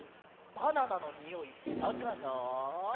バナナのにおいしたかな？